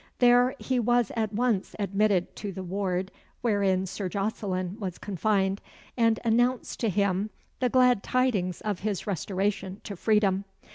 There he was at once admitted to the ward wherein Sir Jocelyn was confined, and announced to him the glad tidings of his restoration to freedom.